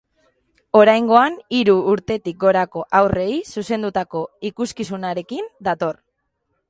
Oraingoan, hiru urtetik gorako haurrei zuzendutako ikuskizunarekin dator.